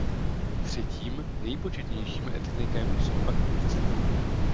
Třetím nejpočetnějším etnikem jsou pak Turci.